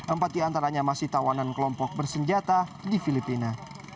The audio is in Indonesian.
empat diantaranya masih tawanan kelompok bersenjata di filipina